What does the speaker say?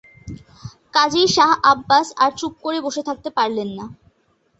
কাজেই Shah Abbas আর চুপ করে বসে থাকতে পারলেন না।